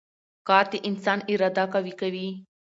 کار د انسان اراده قوي کوي